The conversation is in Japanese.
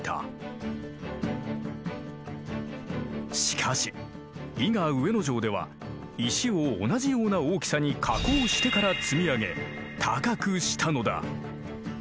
しかし伊賀上野城では石を同じような大きさに加工してから積み上げ高くしたのだ。